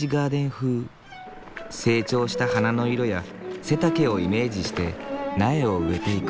成長した花の色や背丈をイメージして苗を植えていく。